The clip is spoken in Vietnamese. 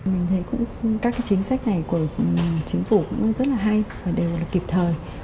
mình thấy cũng các cái chính sách này của chính phủ cũng rất là hay và đều là kịp thời